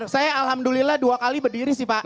saya alhamdulillah dua kali berdiri sih pak